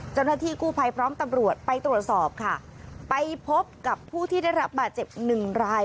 เจ้าหน้าที่กู้ภัยพร้อมตำรวจไปตรวจสอบค่ะไปพบกับผู้ที่ได้รับบาดเจ็บหนึ่งราย